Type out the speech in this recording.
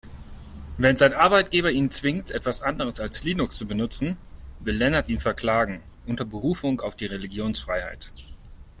Wenn sein Arbeitgeber ihn zwingt, etwas anderes als Linux zu benutzen, will Lennart ihn verklagen, unter Berufung auf die Religionsfreiheit.